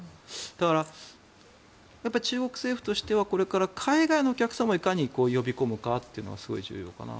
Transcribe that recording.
だから、中国政府としてはこれからいかに海外のお客さんをいかに呼び込むかがすごい重要かな。